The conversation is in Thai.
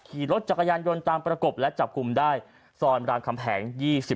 ขี่รถจักรยานยนต์ตามประกบและจับกลุ่มได้ซอยรามคำแหง๒๔